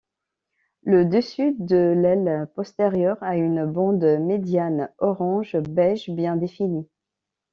Le dessus de l'aile postérieure a une bande médiane orange beige bien définie.